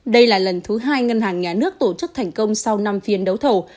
đây là lần thứ hai ngân hàng nhà nước tổ chức thành công sau năm phiên đấu thầu